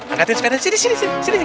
angkatin sepedanya sini sini sini